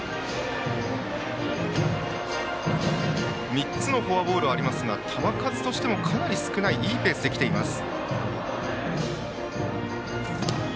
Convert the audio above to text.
３つのフォアボールはありますが球数としてもかなり少ないいいペースで来ています。